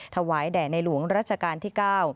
ถวายแด่ในหลวงรัชกาลที่๙